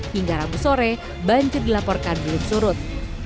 hingga rabu sore banjir dilaporkan belum surut